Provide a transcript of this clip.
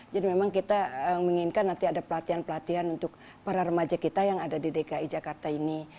jadi memang kita menginginkan nanti ada pelatihan pelatihan untuk para remaja kita yang ada di dki jakarta ini